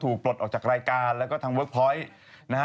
ปลดออกจากรายการแล้วก็ทางเวิร์คพอยต์นะฮะ